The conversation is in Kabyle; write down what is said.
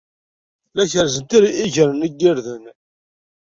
La kerrzen iger-nni n yirden.